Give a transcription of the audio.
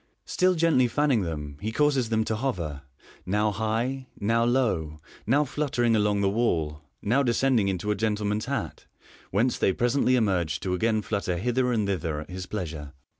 Still gently fanni'ng them, he causes them to hover, now high, now low, low fluttering along the wall, now descending into a gentleman's hat, whence they presently emerge to again flutter hither and thither at his pleasure.